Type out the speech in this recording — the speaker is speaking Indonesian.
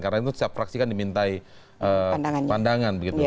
karena itu setiap fraksi kan dimintai pandangan